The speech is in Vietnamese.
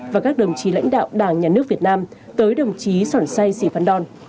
và các đồng chí lãnh đạo đảng nhà nước việt nam tới đồng chí sỏn sai sĩ phan đòn